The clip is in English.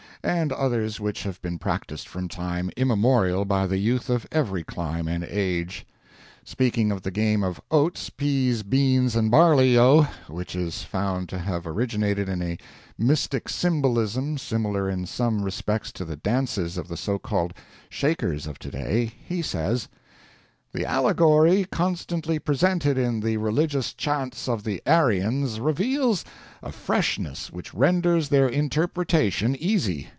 and others which have been practised from time immemorial by the youth of every clime and age. Speaking of the game of oats, peas, beans, and barley, oh, which is found to have originated in a mystic symbolism similar in some respects to the dances of the so called Shakers of to day, he says: The allegory constantly presented in the religious chants of the Aryans reveals a freshness which renders their interpretation easy.